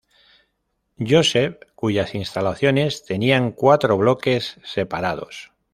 Joseph cuyas instalaciones tenían cuatro bloques separados.